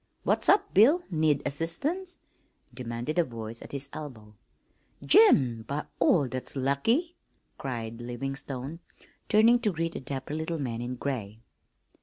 "What's up, Bill? Need assistance?" demanded a voice at his elbow. "Jim, by all that's lucky!" cried Livingstone, turning to greet a dapper little man in gray.